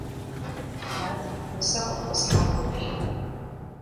Мэт, мы сэ къыпхуэсхьам еплъыт.